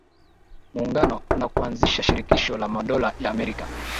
Muungano na kuanzisha Shirikisho la Madola ya Amerika